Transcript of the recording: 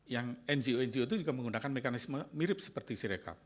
yang ngo ngo itu juga menggunakan mekanisme mirip seperti sirekap